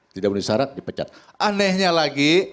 tidak memenuhi syarat dipecat anehnya lagi